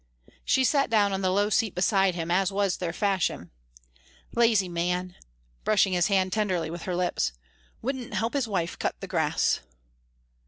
She sat down on the low seat beside him, as was their fashion. "Lazy man," brushing his hand tenderly with her lips "wouldn't help his wife cut the grass!"